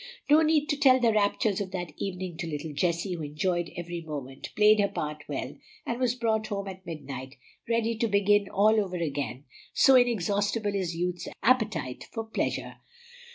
No need to tell the raptures of that evening to little Jessie, who enjoyed every moment, played her part well, and was brought home at midnight ready to begin all over again, so inexhaustible is youth's appetite for pleasure.